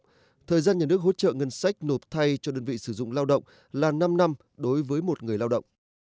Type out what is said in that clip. thời gian nhà nước hỗ trợ ngân sách nộp thay cho đơn vị sử dụng lao động là năm năm đối với một người lao động